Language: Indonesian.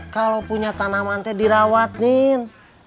kalau punya tanamannya dirawat nin